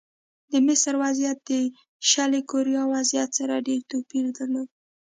د مصر وضعیت د شلي کوریا وضعیت سره ډېر توپیر درلود.